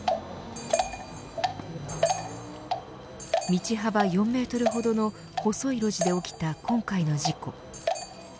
道幅４メートルほどの細い路地で起きた今回の事故。